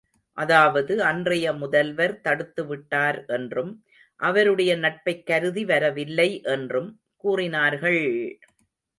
அதாவது அன்றைய முதல்வர் தடுத்து விட்டார் என்றும், அவருடைய நட்பைக் கருதி வரவில்லை என்றும் கூறினார்கள்!